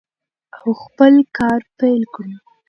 او خپل کار پیل کړو.